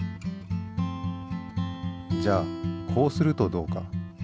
じゃあこうするとどうか？